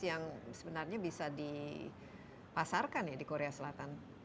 karena kita kan memiliki begitu banyak sekali produk produk khususnya yang ini ya local product